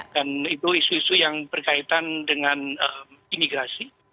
dan itu isu isu yang berkaitan dengan imigrasi